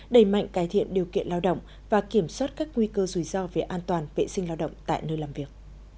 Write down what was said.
đẩy mạnh cải thiện điều kiện lao động và kiểm soát các nguy cơ rủi ro về an toàn vệ sinh lao động tại nơi làm việc